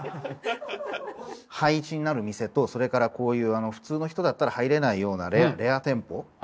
廃止になる店とそれからこういう普通の人だったら入れないようなレア店舗。